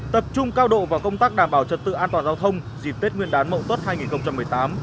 tập trung cao độ vào công tác đảm bảo trật tự an toàn giao thông dịp tết nguyên đán mậu tuất hai nghìn một mươi tám